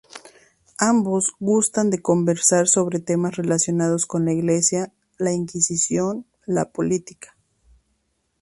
Ambos gustan de conversar sobre temas relacionados con la Iglesia, la Inquisición, la política.